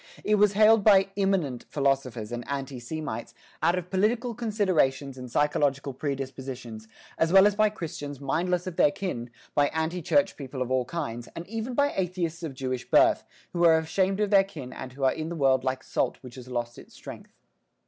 It was hailed by "immanent" philosophers and anti Semites out of political considerations and psychological predispositions, as well as by Christians mindless of their kin, by anti church people of all kinds, and even by atheists of Jewish birth, who are ashamed of their kin and who are in the world like salt which has lost its strength.